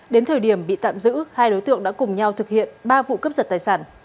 đến thời điểm bị tạm giữ hai đối tượng đã cùng nhau thực hiện ba vụ cướp giật tài sản